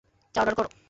চা অর্ডার করো।